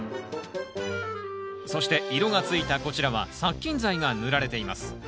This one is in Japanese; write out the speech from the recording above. そして色がついたこちらは殺菌剤が塗られています。